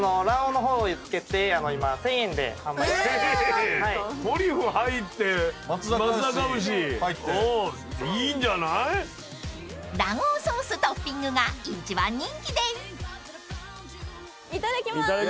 ［卵黄ソーストッピングが一番人気です！］